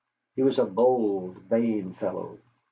He was a bold, vain fellow.